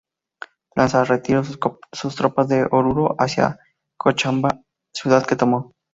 Lanza retiró sus tropas de Oruro hacia Cochabamba, ciudad que tomó.